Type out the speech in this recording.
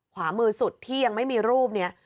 ขวามือสุดที่ยังไม่มีรูปนี้